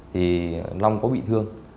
thì long có bị thương